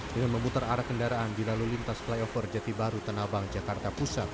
dengan memutar arah kendaraan di lalu lintas playoff rjati baru tanabang jakarta pusat